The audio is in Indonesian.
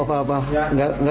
tidak merasakan nyantuk